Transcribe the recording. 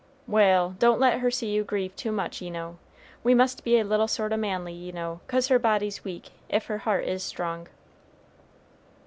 "Wal', don't let her see you grieve too much, ye know; we must be a little sort o' manly, ye know, 'cause her body's weak, if her heart is strong."